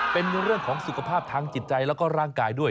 เป็นเรื่องของสุขภาพทางจิตใจแล้วก็ร่างกายด้วย